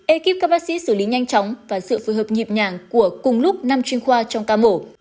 ekip các bác sĩ xử lý nhanh chóng và sự phối hợp nhịp nhàng của cùng lúc năm chuyên khoa trong ca mổ